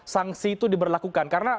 sanksi itu diberlakukan karena